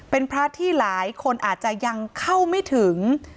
เป็นพระที่หลายคนอาจจะยังเข้าไม่ถึง